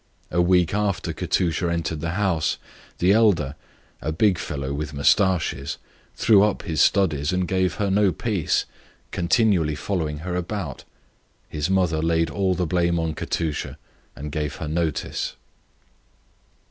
A week after Katusha had entered the house the elder, a big fellow with moustaches, threw up his studies and made love to her, continually following her about. His mother laid all the blame on Katusha, and gave her notice.